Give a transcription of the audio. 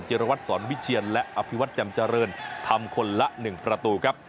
รวัตรสอนวิเชียนและอภิวัตรจำเจริญทำคนละ๑ประตูครับ